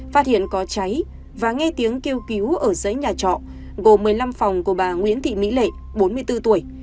phát hiện có cháy và nghe tiếng kêu cứu ở giấy nhà trọ gồm một mươi năm phòng của bà nguyễn thị mỹ lệ bốn mươi bốn tuổi